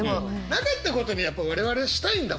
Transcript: なかったことにやっぱ我々はしたいんだもんね。